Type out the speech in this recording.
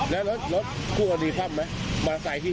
นั่งอัดสามเขามีส้อนผมตรงนี้ไอ้พี่